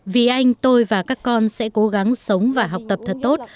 vì anh tôi và các con sẽ cố gắng sống và học tập thật tốt